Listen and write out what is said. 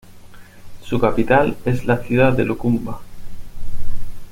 Su capital es la ciudad de Locumba.